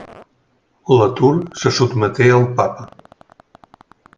La Tour se sotmeté al Papa.